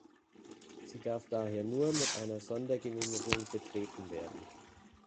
Sie darf daher nur mit einer Sondergenehmigung betreten werden.